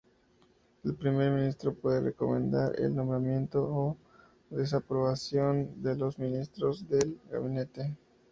El Primer Ministro puede recomendar el nombramiento o desaprobación de los ministros del gabinete.